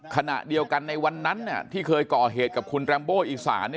ขณะเดียวกันในวันนั้นที่เคยก่อเหตุกับคุณแรมโบอีสาน